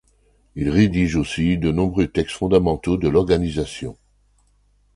Il rédige aussi de nombreux textes fondamentaux de l'organisation.